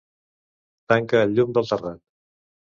Tanca el llum del terrat.